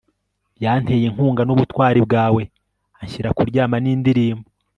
yanteye inkunga n'ubutwari bwawe, anshyira kuryama n'indirimbo .